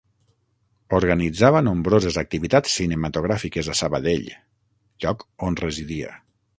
Organitzava nombroses activitats cinematogràfiques a Sabadell, lloc on residia.